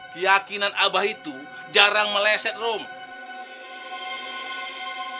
keyakinan abah itu jarang meleset rome